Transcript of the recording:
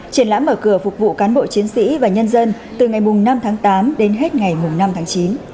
triển lãm mở cửa phục vụ cán bộ chiến sĩ và nhân dân từ ngày năm tháng tám đến hết ngày năm tháng chín